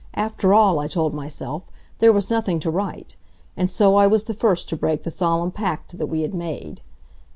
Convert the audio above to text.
After all, I told myself, there was nothing to write. And so I was the first to break the solemn pact that we had made.